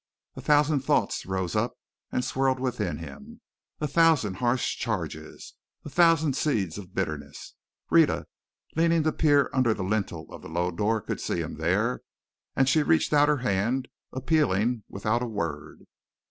A thousand thoughts rose up and swirled within him, a thousand harsh charges, a thousand seeds of bitterness. Rhetta, leaning to peer under the lintel of the low door, could see him there, and she reached out her hand, appealing without a word.